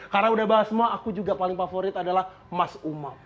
karena udah bahas semua aku juga paling favorit adalah mas umam